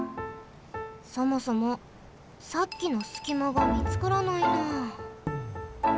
そもそもさっきのすきまがみつからないな。